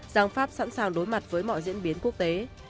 rằng pháp sẵn sàng đối mặt với mọi diễn biến quốc tế